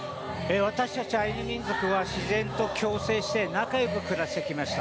私たちアイヌ民族は、自然と共生して、仲よく暮らしてきました。